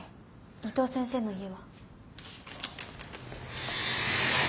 伊藤先生の家は？